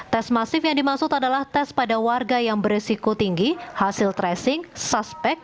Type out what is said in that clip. tes masif yang dimaksud adalah tes pada warga yang beresiko tinggi hasil tracing suspek